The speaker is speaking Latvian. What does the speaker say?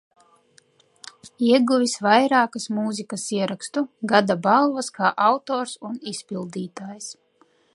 Ieguvis vairākas Mūzikas Ierakstu Gada balvas kā autors un izpildītājs.